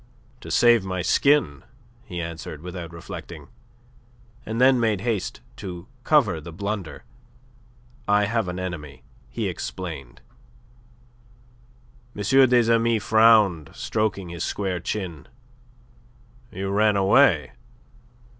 "To save my skin," he answered, without reflecting. And then made haste to cover the blunder. "I have an enemy," he explained. M. des Amis frowned, stroking his square chin. "You ran away?"